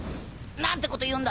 何てこと言うんだ！